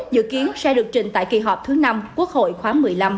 dự kiến sẽ được trình tại kỳ họp thứ năm quốc hội khóa một mươi năm